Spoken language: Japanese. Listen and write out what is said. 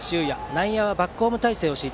内野はバックホーム態勢。